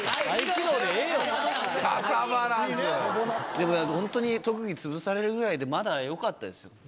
でも本当に特技つぶされるぐらいでまだよかったですよ。